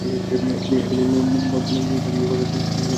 একই দিন মনিয়ন্দ বটগাছতলা থেকে ইয়াবাসহ তিন শিক্ষার্থীকে আটক করা হয়।